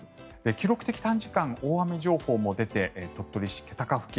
記録的短時間大雨情報も出て鳥取市気高付近